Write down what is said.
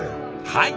はい！